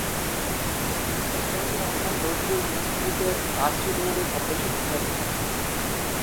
ফেরদৌসী রহমান নজরুল ইন্সটিটিউটের ট্রাস্টি বোর্ডের সদস্য ছিলেন।